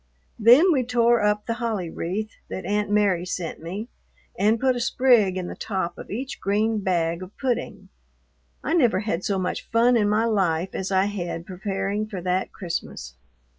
Then we tore up the holly wreath that Aunt Mary sent me, and put a sprig in the top of each green bag of pudding. I never had so much fun in my life as I had preparing for that Christmas.